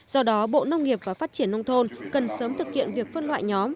do đó bộ nông nghiệp và phát triển nông thôn cần sớm thực hiện việc phân loại nhóm